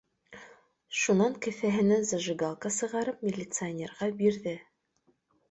Шунан кеҫәһе- и ш зажигалка сығарып милиционерға бирҙе